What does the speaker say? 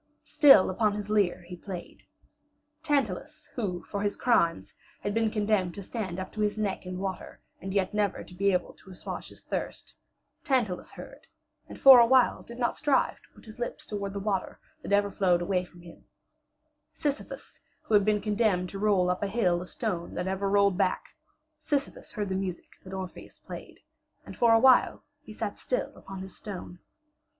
Still upon his lyre he played. Tantalus who, for his crimes, had been condemned to stand up to his neck in water and yet never be able to assuage his thirst Tantalus heard, and for a while did not strive to put his lips toward the water that ever flowed away from him; Sisyphus who had been condemned to roll up a hill a stone that ever rolled back Sisyphus heard the music that Orpheus played, and for a while he sat still upon his stone.